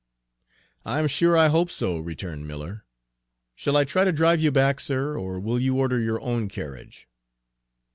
"I'm sure I hope so," returned Miller. "Shall I try to drive you back, sir, or will you order your own carriage?"